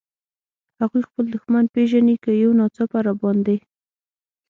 هغوی خپل دښمن پېژني، که یو ناڅاپه را باندې.